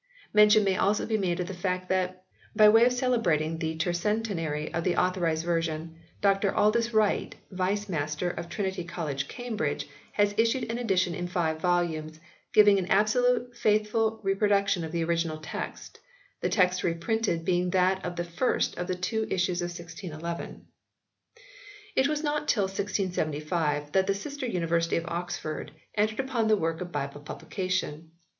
Mention may also be made of the fact that, by way of celebrating the Tercentenary of the Authorised Version, Dr Aldis Wright, Vice Master of Trinity College, Cambridge, has issued an edition in five volumes, giving an absolutely faithful reproduction of the original text ; the text reprinted being that of the first of the two issues of 1611. It was not till 1675 that the sister University of Oxford entered upon the work of Bible publication.